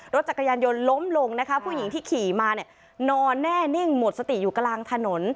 รถจักรยานยนต์ล้มลงนะคะผู้หญิงที่ขี่มาเนี่ยนอนแน่นิ่งหมดสติอยู่กลางถนน